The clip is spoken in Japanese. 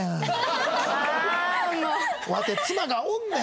わて妻がおんねん。